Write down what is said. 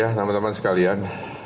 ya teman teman sekalian